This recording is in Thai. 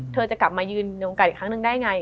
เธอจะกลับมายืนในวงการอีกครั้งหนึ่งได้ไง